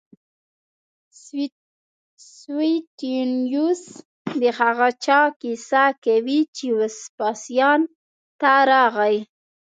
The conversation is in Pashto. سویټونیوس د هغه چا کیسه کوي چې وسپاسیان ته راغی